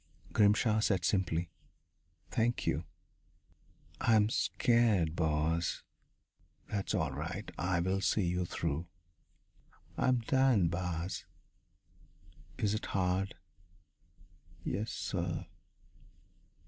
Grimshaw said simply: "Thank you." "I'm scared, boss." "That's all right. I'll see you through." "I'm dyin', boss." "Is it hard?" "Yessir."